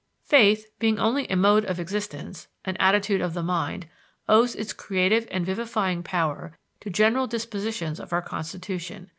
Faith, being only a mode of existence, an attitude of the mind, owes its creative and vivifying power to general dispositions of our constitution.